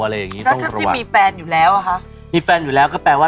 แล้วถ้ามีแฟนอยู่แล้ว